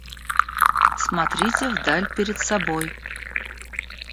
Смотрите в даль перед собой.